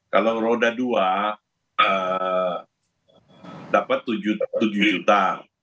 kalau roda dua dapat tujuh juta